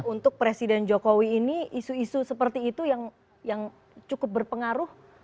untuk presiden jokowi ini isu isu seperti itu yang cukup berpengaruh